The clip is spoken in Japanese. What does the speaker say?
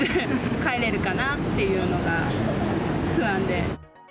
帰れるかなっていうのが不安で。